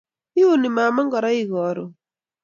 Iuni mama ngoroik karon